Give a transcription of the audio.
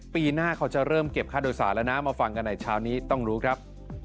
ปีหน้าเขาจะเริ่มเก็บค่าโดยสารแล้วนะมาฟังกันในเช้านี้ต้องรู้ครับ